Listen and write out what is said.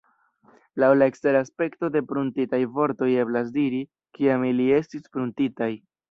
Laŭ la ekstera aspekto de pruntitaj vortoj eblas diri, kiam ili estis pruntitaj.